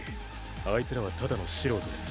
あいつらはただの素人です。